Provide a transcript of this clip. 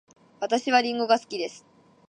私はりんごが好きです。